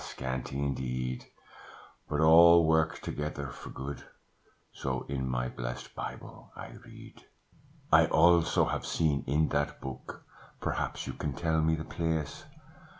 scanty indeed: But all work together for good, So in my blest Bible I read. "I also have seen in that Book (Perhaps you can tell me the place?)